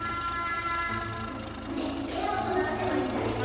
でっけえ音鳴らせばいいんじゃねえか？